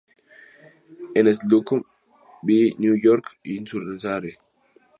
En "Slocum v. New York Insurance Co.